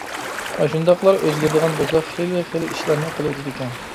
ئاشۇنداقلار ئۆزگىرىدىغان بولسا خېلى-خېلى ئىشلارنى قىلىۋېتىدىكەن.